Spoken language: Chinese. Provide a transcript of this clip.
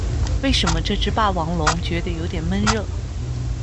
为什么这只霸王龙觉得有点闷热？